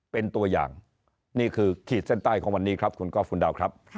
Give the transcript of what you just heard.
เป็นตัวอย่างนี่คือขีดเส้นใต้ของวันนี้ครับคุณก๊อฟคุณดาวครับ